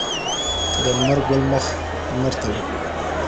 د لمر ګل مخ لمر ته وي.